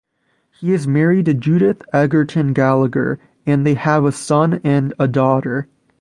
He is married to Judith Egerton-Gallagher, and they have a son and a daughter.